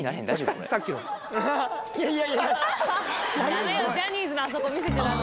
これジャニーズのあそこ見せちゃダメ